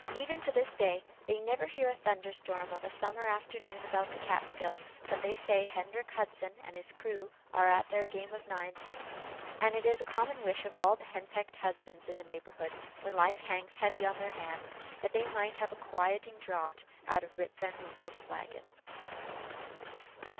Even to this day, they never hear a thunder storm of a summer afternoon about the Kaatskill, but they say Hendrick Hudson and his crew are at their game of ninepins; and it is a common wish of all henpecked husbands in the neighborhood, when life hangs heavy on their hands, that they might have a quieting draught out of Rip Van Winkle's flagon.